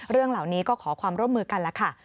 เรื่องเหล่านี้ก็ขอความร่วมมือกันแล้วค่ะ